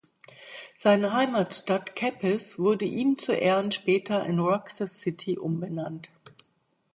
Seine Heimatstadt Capiz wurde ihm zu Ehren später in Roxas City umbenannt.